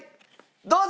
どうぞ！